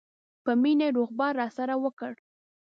په مینه یې روغبړ راسره وکړ.